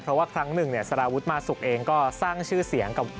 เพราะว่าครั้งหนึ่งสรวจรวดเหลือก็สร้างชื่อเสียงกับ